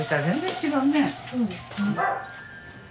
そうですね。